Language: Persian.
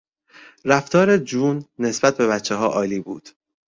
رفتار جون نسبت به بچهها عالی بود.